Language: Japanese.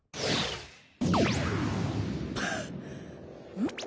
うん！？